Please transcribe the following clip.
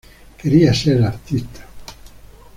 Quería ser artista.